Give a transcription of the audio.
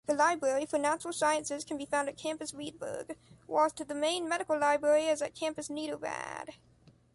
The library for natural sciences can be found at Campus Riedberg, whilst the main medical library is at Campus Niederrad.